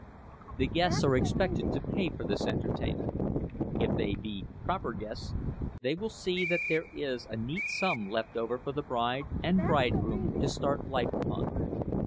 The guests are expected to pay for this entertainment; if they be proper guests, they will see that there is a neat sum left over for the bride and bridegroom to start life upon.